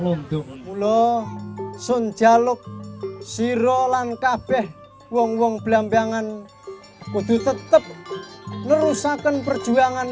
londo ulo sonjaluk sirolan kabeh wong wong belambangan kudu tetep merusakkan perjuangan